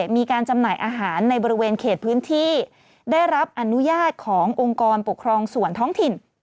มีการจำหน่ายอาหารในบริเวณเขตพื้นที่ได้รับอนุญาตขององค์กรปกครองส่วนท้องถิ่น